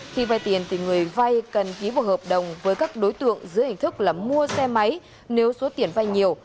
khi vai tiền thì người vai cần ký vụ hợp đồng với các đối tượng giữa hình thức là mua xe máy nếu số tiền vai nhiều